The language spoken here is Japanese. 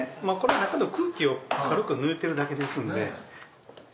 中の空気を軽く抜いてるだけですんで。